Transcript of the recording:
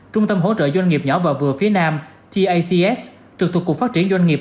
trung tâm hỗ trợ doanh nghiệp nhỏ và vừa phía nam tacs trực thuộc cục phát triển doanh nghiệp